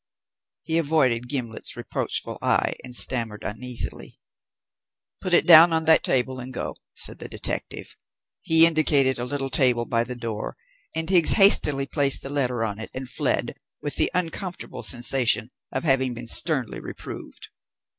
He avoided Gimblet's reproachful eye and stammered uneasily: "Put it down on that table and go," said the detective. He indicated a little table by the door, and Higgs hastily placed the letter on it and fled, with the uncomfortable sensation of having been sternly reproved.